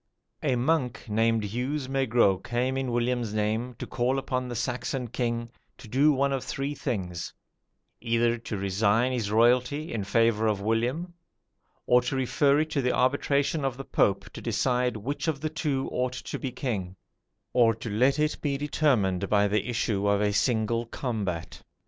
"A monk named Hugues Maigrot came in William's name to call upon the Saxon king to do one of three things either to resign his royalty in favour of William, or to refer it to the arbitration of the Pope to decide which of the two ought to be king, or to let it be determined by the issue of a single combat.